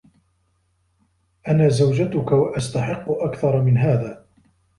أنا زوجتك و أستحقّ أكثر من هذا.